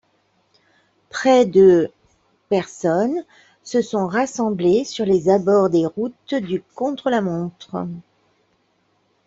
Près de personnes se sont rassemblées sur les abords des routes du contre-la-montre.